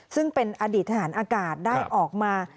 ซึ่งเป็นอดีตทหารอากาศได้ออกมา